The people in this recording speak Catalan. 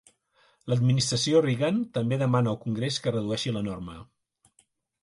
L'administració Reagan també demana al congrés que redueixi la norma.